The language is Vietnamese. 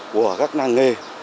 của các làng nghề